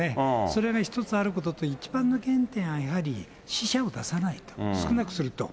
それが一つあることと、一番の原点はやはり死者を出さないと、少なくすると。